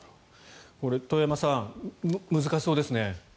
これは遠山さん難しそうですね。